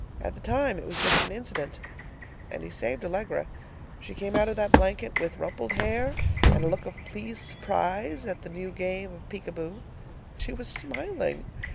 At the time, it was just an incident. And he saved Allegra. She came out of that blanket with rumpled hair and a look of pleased surprise at the new game of peek a boo. She was smiling!